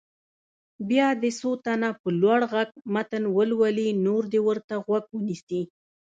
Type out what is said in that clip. بیا دې څو تنه په لوړ غږ متن ولولي نور دې ورته غوږ ونیسي.